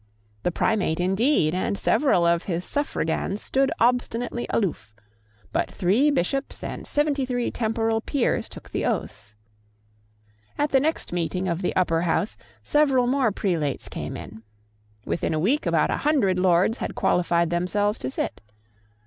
The Primate indeed and several of his suffragans stood obstinately aloof: but three Bishops and seventy three temporal peers took the oaths. At the next meeting of the Upper House several more prelates came in. Within a week about a hundred Lords had qualified themselves to sit.